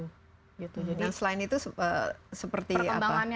nah selain itu seperti apa